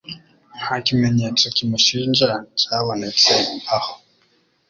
Nta kimenyetso kimushinja cyabonetse aho.